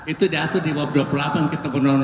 itu diatur di wab dua puluh delapan kita menolong